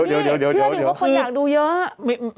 เชื่อดูก็คนอยากดูเยอะ